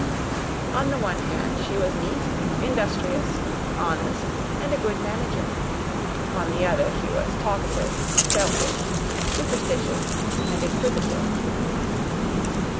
On the one hand, she was neat, industrious, honest, and a good manager. On the other, she was talkative, selfish, superstitious, and inquisitive.